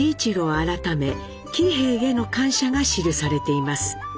改め喜兵衛への感謝が記されています。